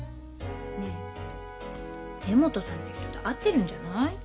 ねえ根本さんって人と会ってるんじゃない？